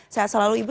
saya selalu ibu